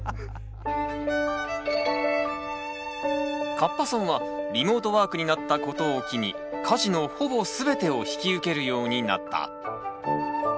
カッパさんはリモートワークになったことを機に家事のほぼ全てを引き受けるようになった。